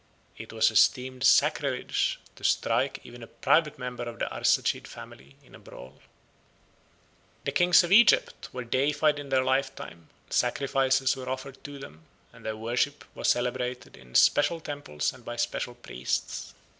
It was esteemed sacrilege to strike even a private member of the Arsacid family in a brawl. The kings of Egypt were deified in their lifetime, sacrifices were offered to them, and their worship was celebrated in special temples and by special priests.